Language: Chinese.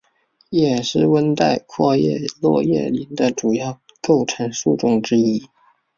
也是温带阔叶落叶林的主要构成树种之一。